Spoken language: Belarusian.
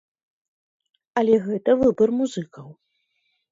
Але гэта выбар музыкаў.